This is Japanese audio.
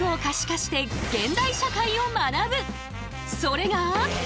それが。